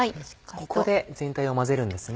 ここで全体を混ぜるんですね。